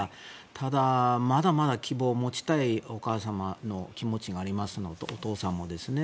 ただ、まだまだ希望を持ちたいお母様の気持ちがありますのでお父さんもですね。